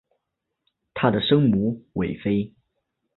她的生母韦妃。